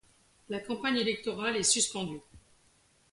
La campagne électorale est suspendue.